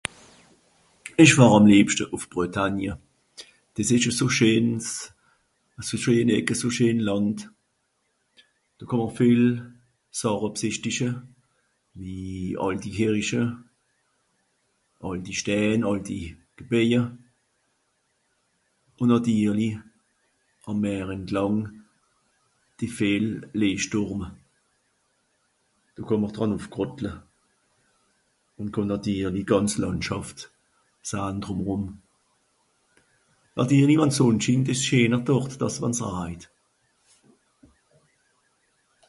ìsch wor àm liebschte ùf bretagne des esch à so scheens à so scheen eckes ùn scheen lànd do kàm'r viel sàche b'schìchtische wie àltijährische àlti schtein àlti gebaije ùn nàtirli àm meer entlàng die viel lechstùrm do kàm'r dr nùff gràttle ùn kànn nàtirli gànz làndschàft sahn drùmerùm nàtirli wann d'sonn schient esch scheener dort dàss wànn s'raijt